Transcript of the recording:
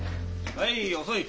はい遅い！